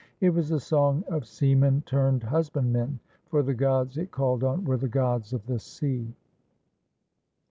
It was a song of sea men turned husbandmen, for the gods it called on were the gods of the sea.